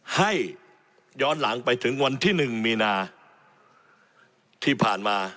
ให้ย้อนหลังไปถึงวันที่๑มีนาที่ผ่านมา